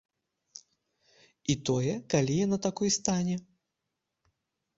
І тое, калі яна такой стане.